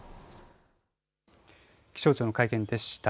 気象庁の会見でした。